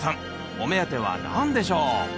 お目当ては何でしょう？